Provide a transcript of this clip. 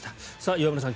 岩村さん